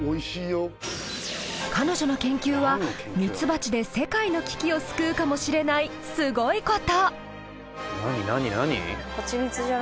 彼女の研究はミツバチで世界の危機を救うかもしれないすごい事。